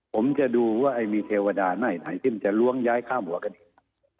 ผมจะดูว่ามีเทวดาหน่ายขึ้นจะล้วงย้ายข้ามหัวกระดิษฐ์